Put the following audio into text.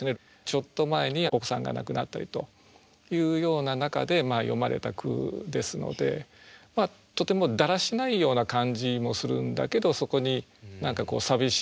ちょっと前にお子さんが亡くなったりというような中で詠まれた句ですのでとてもだらしないような感じもするんだけどそこに何か寂しい感じもね